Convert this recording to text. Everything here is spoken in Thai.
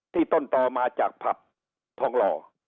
ต้นต่อมาจากผับทองหล่อ